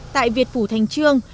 tại việt phủ thành trương